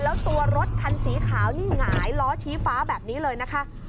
แล้วตัวรถคันสีขาวนี่หงายล้อชี้ฟ้าแบบนี้เลยนะคะ